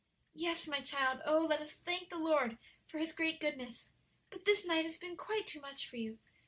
"Yes, my child; oh, let us thank the Lord for His great goodness! But this night has been quite too much for you.